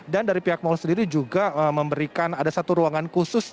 dan dari pihak mal sendiri juga memberikan ada satu ruangan khusus